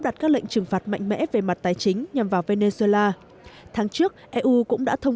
đặt các lệnh trừng phạt mạnh mẽ về mặt tài chính nhằm vào venezuela tháng trước eu cũng đã thông